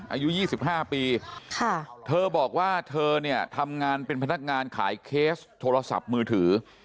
อายุ๒๕ปีเธอบอกว่าเธอเนี่ยทำงานเป็นพนักงานขายเคสโทรศัพท์มือถือ